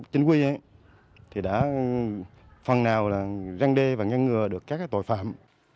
chính quy thì đã phần nào răng đê và ngăn ngừa được các tội phạm